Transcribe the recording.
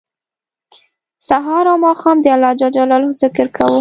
سهار او ماښام د الله ج ذکر کوه